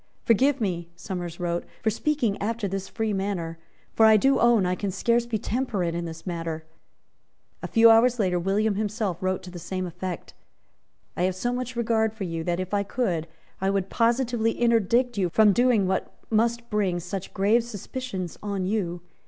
"Forgive me," Somers wrote, "for speaking after this free manner; for I do own I can scarce be temperate in this matter." A few hours later William himself wrote to the same effect. "I have so much regard for you, that, if I could, I would positively interdict you from doing what must bring such grave suspicions on you.